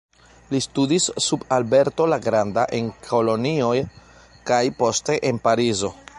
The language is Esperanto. Li studis sub Alberto la Granda en Kolonjo kaj poste en Parizo.